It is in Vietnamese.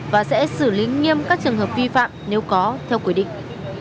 và sẽ xử lý nghiêm các trường hợp vi phạm nếu có theo quy định